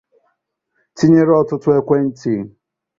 tinyere ọtụtụ ekwentị.